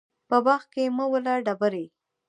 په باغ کې مه وله ډبري